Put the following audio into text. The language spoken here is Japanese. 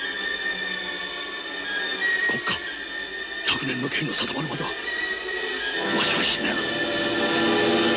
国家百年の計の定まるまではわしは死ねぬ。